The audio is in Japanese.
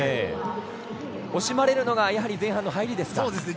惜しまれるのが前半の入りですか。